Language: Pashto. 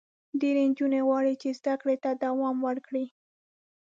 ډېری نجونې غواړي چې زده کړو ته دوام ورکړي.